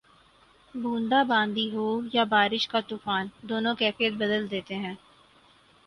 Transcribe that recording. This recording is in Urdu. بوندا باندی ہو یا بارش کا طوفان، دونوں کیفیت بدل دیتے ہیں۔